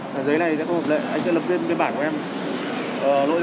đây mà em ký biên bản cho